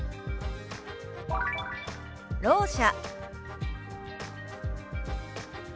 「ろう者」。